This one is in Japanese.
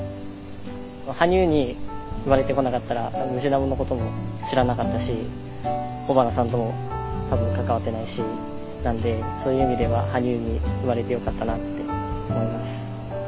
羽生に生まれてこなかったらムジナモのことも知らなかったし尾花さんとも多分関わってないしなんでそういう意味では羽生に生まれてよかったなって思います。